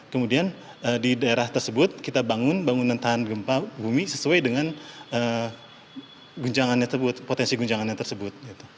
kemudian di daerah tersebut kita bangun bangunan tahan gempa bumi sesuai dengan potensi guncangannya tersebut